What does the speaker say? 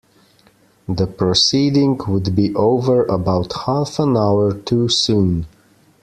The proceeding would be over about half an hour too soon.